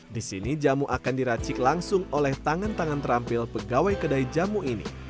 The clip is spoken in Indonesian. di sini jamu akan diracik langsung oleh tangan tangan terampil pegawai kedai jamu ini